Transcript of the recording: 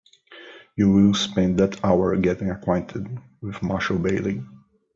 You will spend that hour getting acquainted with Marshall Bailey.